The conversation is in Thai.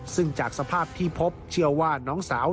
ซึ่งจากสภาพที่พบเชื่อว่าน้องสาว